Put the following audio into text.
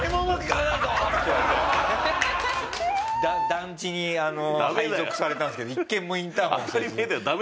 団地に配属されたんですけど一軒もインターホン押せずに。